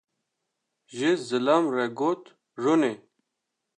....’’, ji zilam re got: “rûnê”.